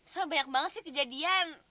soal banyak banget sih kejadian